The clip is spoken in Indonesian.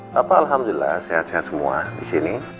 papa alhamdulillah sehat sehat semua disini